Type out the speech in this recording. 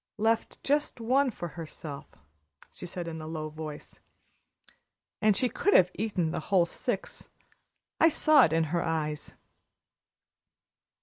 "Left just one for herself," she said, in a low voice. "And she could have eaten the whole six I saw it in her eyes."